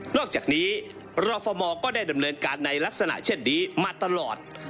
อกจากนี้รฟมก็ได้ดำเนินการในลักษณะเช่นนี้มาตลอด